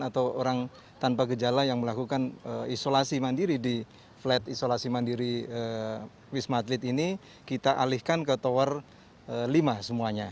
atau orang tanpa gejala yang melakukan isolasi mandiri di flat isolasi mandiri wisma atlet ini kita alihkan ke tower lima semuanya